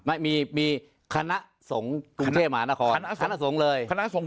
ไม่มีมีคณะสงค์กรุงเทพหาคณะสงเลย